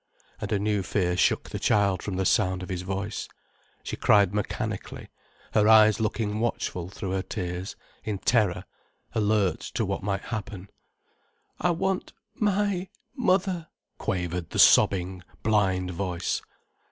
And a new fear shook the child from the sound of his voice. She cried mechanically, her eyes looking watchful through her tears, in terror, alert to what might happen. "I want—my—mother," quavered the sobbing, blind voice.